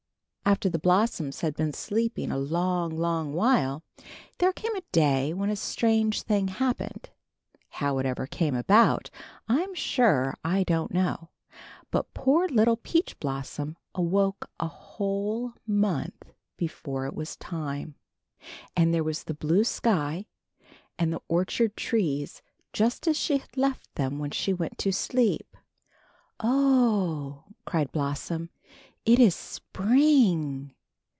After the blossoms had been sleeping a long, long while, there came a day when a strange thing happened. How it ever came THE FOOLISH PEACH BLOSSOM. 95 about I^m sure I don't know; but poor little Peach Blossom awoke a whole month before it was time, and there was the blue sky and the orchard trees just as she had left them when she went to sleep. ^^Oh," cried Blossom, ^^it is Spring!"